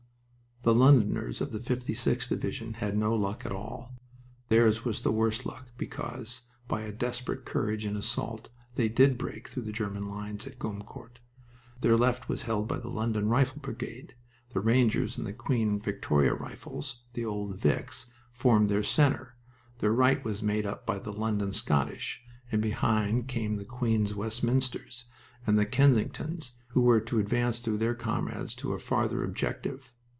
The Londoners of the 56th Division had no luck at all. Theirs was the worst luck because, by a desperate courage in assault, they did break through the German lines at Gommecourt. Their left was held by the London Rifle Brigade. The Rangers and the Queen Victoria Rifles the old "Vics " formed their center. Their right was made up by the London Scottish, and behind came the Queen's Westminsters and the Kensingtons, who were to advance through their comrades to a farther objective.